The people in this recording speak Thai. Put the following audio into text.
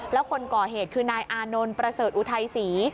แล้วคนก่อเหตุคือนายอานนท์ประเสริฐอุทัยศรี